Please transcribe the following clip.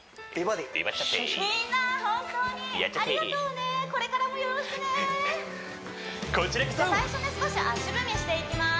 みんな本当にありがとうねやっちゃってじゃあ最初に少し足踏みしていきます